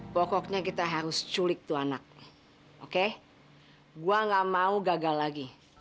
pokoknya kita harus culik tuh anak oke gue gak mau gagal lagi